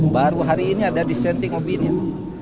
baru hari ini ada dissenting opinion